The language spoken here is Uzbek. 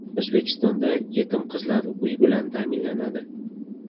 O‘zbekistonda yetim qizlar uy bilan ta’minlanadi